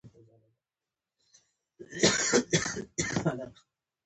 ترموز د مینه والو ترمنځ یو احساس دی.